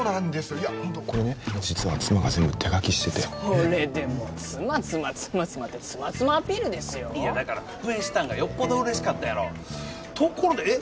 いやホントこれね実は妻が全部手書きしててそれでもう妻妻妻妻って妻妻アピールですよいやだから復縁したんがよっぽど嬉しかったんやろところでえっ？